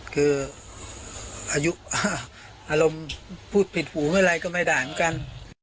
คืออายุอารมณ์พูดผิดหูเมื่อไรก็ไม่ได้เหมือนกัน